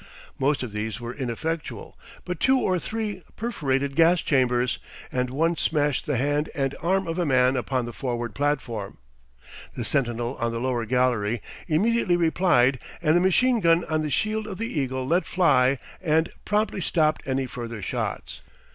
Most of these were ineffectual, but two or three perforated gas chambers, and one smashed the hand and arm of a man upon the forward platform; The sentinel on the lower gallery immediately replied, and the machine gun on the shield of the eagle let fly and promptly stopped any further shots.